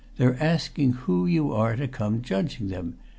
They're asking who you are to come judging them.